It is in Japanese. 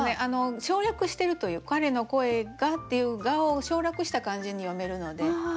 省略してるという「彼の声が」っていう「が」を省略した感じに読めるので。